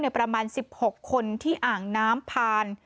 ประมาณ๑๖คนที่อ่างน้ำผ่าน